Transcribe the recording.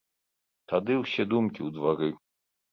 Тады ўсе думкі ў двары.